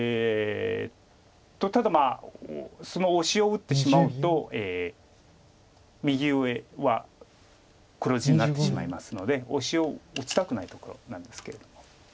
ただまあそのオシを打ってしまうと右上は黒地になってしまいますのでオシを打ちたくないところなんですけれども。